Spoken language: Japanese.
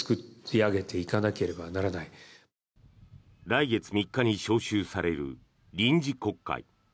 来月３日に召集される臨時国会。